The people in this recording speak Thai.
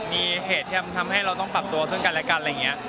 มีเหตุที่ทำให้เราต้องปรับตัวซึ่งกันและกันอะไรอย่างนี้